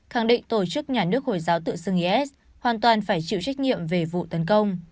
khẳng định tổ chức nhà nước hồi giáo tự xưng is hoàn toàn phải chịu trách nhiệm về vụ tấn công